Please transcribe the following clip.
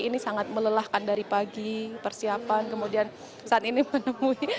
ini sangat melelahkan dari pagi persiapan kemudian saat ini menemui